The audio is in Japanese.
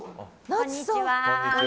こんにちは。